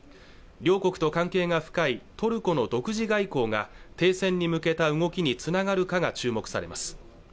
両国と関係が深いトルコの独自外交が停戦に向けた動きにつながるかが注目されます